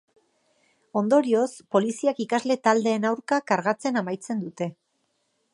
Ondorioz, poliziak ikasle taldeen aurka kargatzen amaitzen dute.